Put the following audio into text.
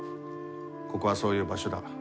ここはそういう場所だ。